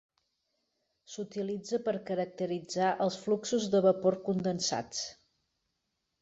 S'utilitza per caracteritzar els fluxos de vapor condensats.